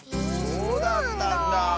そうだったんだ。